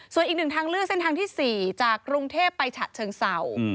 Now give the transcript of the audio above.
ส่วนอีกหนึ่งทางเลือกเส้นทางที่๔จากกรุงเทพไปฉะเชิงเศร้า